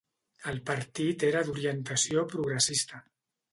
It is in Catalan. El partit era d'orientació progressista.